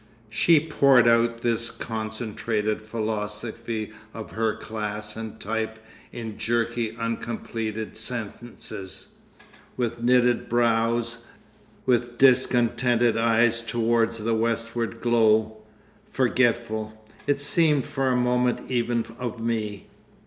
She poured out this concentrated philosophy of her class and type in jerky uncompleted sentences, with knitted brows, with discontented eyes towards the westward glow—forgetful, it seemed, for a moment even of me.